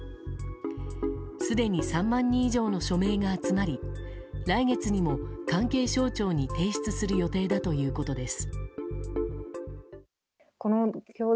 すでに３万人以上の署名が集まり来月にも関係省庁に提出する予定だということです。